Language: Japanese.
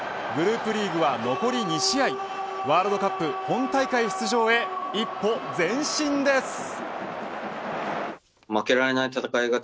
グループリーグは残り２試合ワールドカップ本大会出場へ一歩前進です。